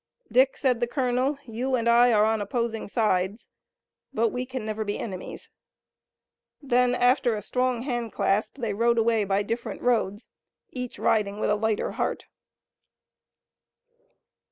"Dick," said the colonel, "you and I are on opposing sides, but we can never be enemies." Then, after a strong handclasp, they rode away by different roads, each riding with a lighter heart.